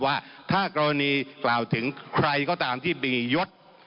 ว่าถ้ากรณีกล่าวถึงใครก็ตามที่มียศ